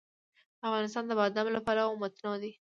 افغانستان د بادام له پلوه متنوع دی.